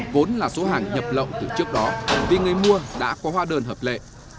vốn là số hàng nhập lậu từ trước đó vì người mua đã có hóa đơn hợp lệ